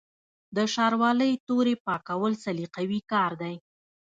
د شاروالۍ تورې پاکول سلیقوي کار دی.